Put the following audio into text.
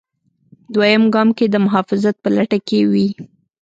دویم ګام کې د محافظت په لټه کې وي.